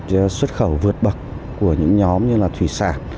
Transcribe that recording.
cái xuất khẩu vượt bậc của những nhóm như là thủy sản